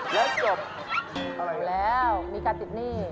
ได้แล้วมีการติดหนี้